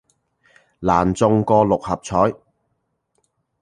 難中過六合彩